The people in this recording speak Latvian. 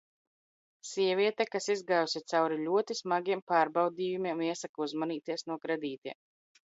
Sieviete, kas izgājusi cauri ļoti smagiem pārbaudījumiem, iesaka uzmanīties no kredītiem.